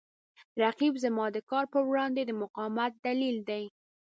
رقیب زما د کار په وړاندې د مقاومت دلیل دی